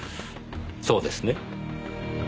そうですね？